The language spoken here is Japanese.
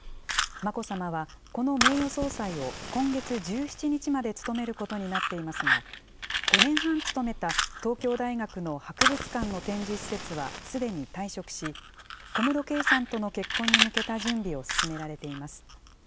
眞子さまはこの名誉総裁を今月１７日まで務めることになっていますが、５年半勤めた東京大学の博物館の展示施設はすでに退職し、小室圭さんとの結婚に向けた準備を進められています。